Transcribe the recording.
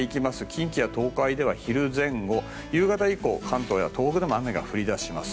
近畿や東海では昼前後夕方以降、関東や東北でも雨が降り出します。